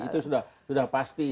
pasti itu sudah pasti